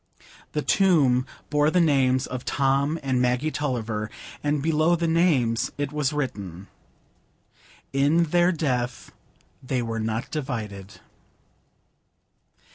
The tomb bore the names of Tom and Maggie Tulliver, and below the names it was written,— "In their death they were not divided."